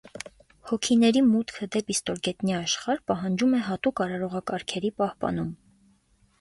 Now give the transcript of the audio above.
Հոգիների մուտքը դեպի ստորգետնյա աշխարհ պահանջում է հատուկ արարողակարգերի պահպանում։